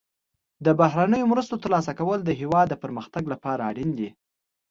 د بهرنیو مرستو ترلاسه کول د هیواد د پرمختګ لپاره اړین دي.